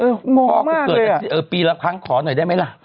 เอ้าเออมองมากเลยอ่ะเออปีละครั้งขอหน่อยได้ไหมล่ะ